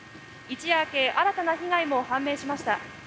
一夜明け新たな被害も判明しました。